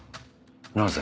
なぜ？